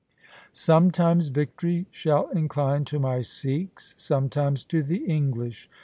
Sometimes victory shall incline to my Sikhs, some times to the English.